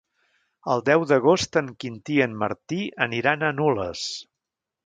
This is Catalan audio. El deu d'agost en Quintí i en Martí aniran a Nules.